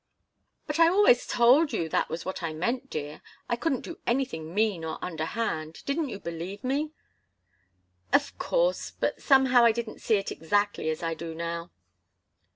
"But I always told you that was what I meant, dear I couldn't do anything mean or underhand. Didn't you believe me?" "Of course but somehow I didn't see it exactly as I do now."